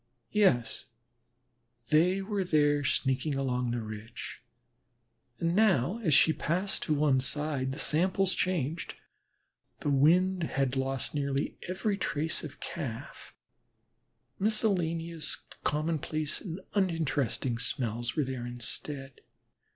Yes, there they were sneaking along a near ridge, and now as she passed to one side the samples changed, the wind had lost nearly every trace of Calf; miscellaneous, commonplace, and uninteresting smells were there instead.